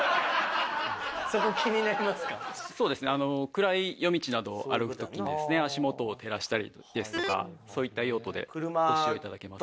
暗い夜道などを歩く時にですね足元を照らしたりですとかそういった用途でご使用頂けます。